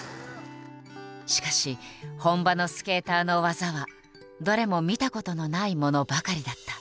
しかし本場のスケーターの技はどれも見たことのないものばかりだった。